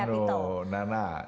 gini aduh nanak